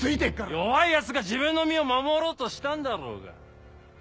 弱いヤツが自分の身を守ろうとしたんだろうが。